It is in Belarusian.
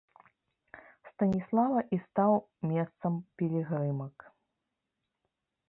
Станіслава і стаў месцам пілігрымак.